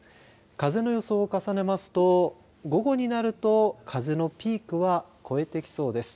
風の予想を重ねますと午後になると風のピークは超えてきそうです。